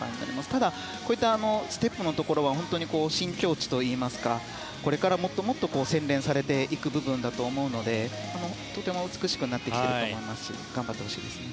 ただ、こういったステップのところは本当に新境地といいますかこれからもっと洗練されていく部分だと思うのでとても美しくなってきていると思いますし頑張ってほしいですね。